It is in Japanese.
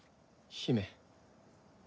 姫。